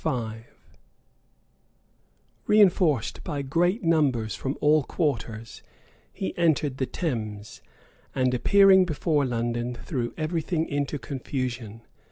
p. 166.] Reënforced by great numbers from all quarters, he entered the Thames; and appearing before London, threw every thing into confusion.